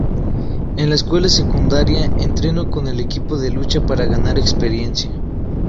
En la escuela secundaria entrenó con el equipo de lucha para ganar experiencia.